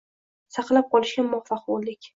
Saqlab qolishga muaffaq boʻldik.